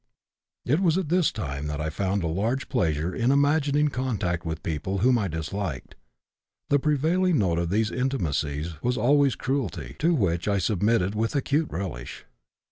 "It was at this time that I found a large pleasure in imagining contact with people whom I disliked; the prevailing note of these intimacies was always cruelty, to which I submitted with acute relish.